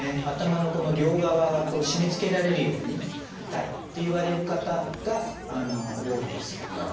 頭のこの両側が締めつけられるように痛いって言われる方が多いです。